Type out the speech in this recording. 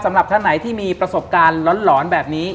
สำหรับท่านไหนที่มีประสบการณ์หลอนแบบนี้